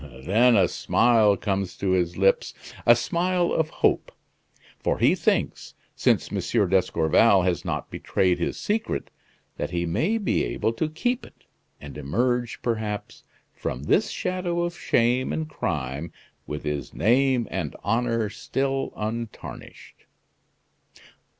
Then a smile comes to his lips a smile of hope; for he thinks, since M. d'Escorval has not betrayed his secret, that he may be able to keep it, and emerge, perhaps, from this shadow of shame and crime with his name and honor still untarnished."